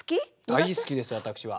大好きです私は。